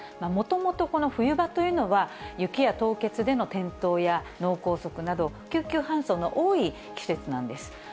もともとこの冬場というのは、雪や凍結での転倒や脳梗塞など、救急搬送の多い季節なんです。